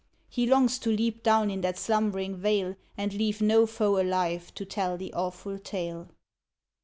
He longs to leap down in that slumbering vale And leave no foe alive to tell the awful tale.